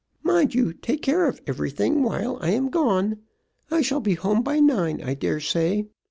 Mind you take care of everything while I am gone. I shall be home by nine, I dare say.